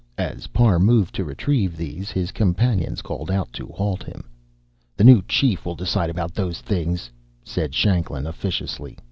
As Parr moved to retrieve these, his companions called out to halt him. "The new chief will decide about those things," said Shanklin officiously.